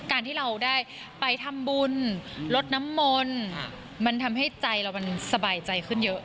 การที่เราได้ไปทำบุญลดน้ำมนต์มันทำให้ใจเรามันสบายใจขึ้นเยอะ